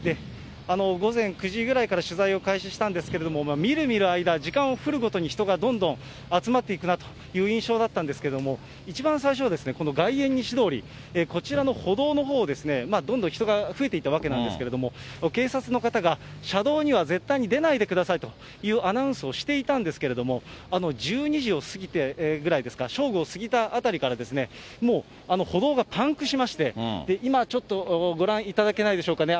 午前９時ぐらいから取材を開始したんですけれども、みるみる間、時間を経るごとに人がどんどん集まってくるなという印象だったんですが、一番最初は、この外苑西通り、こちらの歩道のほう、どんどん人が増えていったわけなんですけれども、警察の方が車道には絶対に出ないでくださいというアナウンスをしていたんですけれども、１２時を過ぎてぐらいですか、正午を過ぎたあたりからですね、もう歩道がパンクしまして、今、ちょっとご覧いただけないでしょうかね。